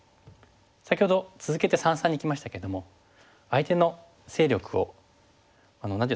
先ほど続けて三々にいきましたけども相手の勢力を何ですかね分断するといいますか。